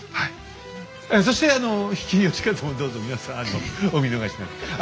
そして比企能員もどうぞ皆さんお見逃しなく。